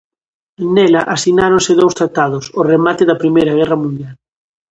Nela asináronse dous tratados ao remate da Primeira Guerra Mundial.